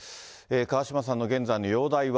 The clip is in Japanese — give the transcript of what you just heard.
川嶋さんの現在の容体は。